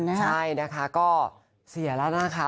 ใช่นะคะก็เสียแล้วนะคะ